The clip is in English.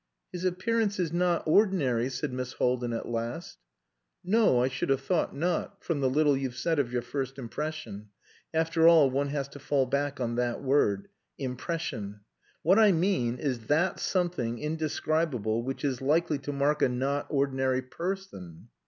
"His appearance is not ordinary," said Miss Haldin at last. "No, I should have thought not from the little you've said of your first impression. After all, one has to fall back on that word. Impression! What I mean is that something indescribable which is likely to mark a 'not ordinary' person."